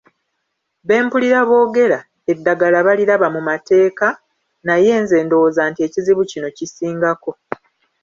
Be mpulira boogera, eddagala baliraba mu mateeka naye nze ndowooza nti ekizibu kino kisingako